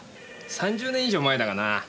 ３０年以上前だがな。